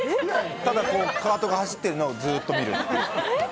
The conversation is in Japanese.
ただ、カートが走っているのをずーっと見る。